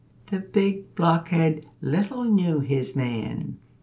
The big blockhead little knew his man.